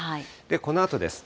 このあとです。